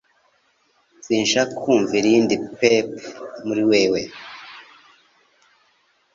Sinshaka kumva irindi pep muri wewe!